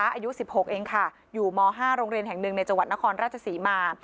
อายุ๑๖เองค่ะอยู่ม๕โรงเรียนแห่งหนึ่งในจังหวัดนครราชศรีมา